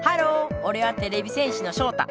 おれはてれび戦士のショウタ。